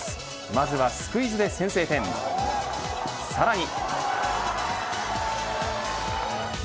まずはスクイズで先制点さらに。